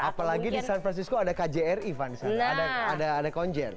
apalagi di san francisco ada kjri vansara ada konjern